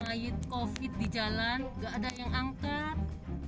ngaid covid di jalan gak ada yang angkat